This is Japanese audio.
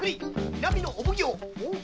南のお奉行・大岡